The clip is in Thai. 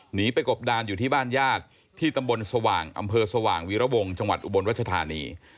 หนีไปกบดานอยู่ที่บ้านญาติที่ตำบลสว่างอำเภอสว่างวีรวงจังหวัดอุบลรัชธานี